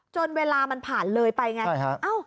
จนเวลามันผ่านเลยไปไงใช่ค่ะ